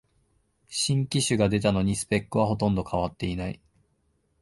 新機種が出たのにスペックはほとんど変わってない